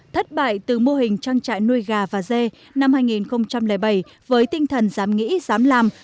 thất bại từ mô hình trang trại nuôi gà và dê năm hai nghìn bảy với tinh thần dám nghĩ dám làm